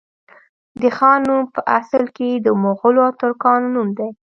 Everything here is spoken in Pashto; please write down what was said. د خان نوم په اصل کي د مغولو او ترکانو نوم دی